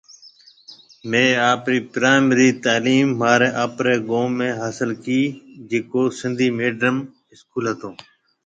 مهيَ آپرِي پرائمري ري تالِيم مهاري آپري گوم ۾ هاسل ڪِي جيڪو سنڌي مِڊيِم اسڪول هتو